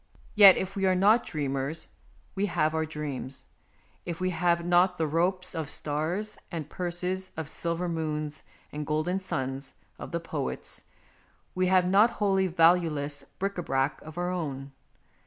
Yet, if we are not dreamers, we have our dreams ; if we have not the ropes of stars, and purses of silver moons and golden suns ON DREAMS 113 of the poets, we have not wholly valueless bric a brac of our own.